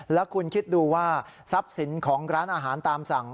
แล้วคุณคิดดูว่าทรัพย์สินของร้านอาหารตามสั่ง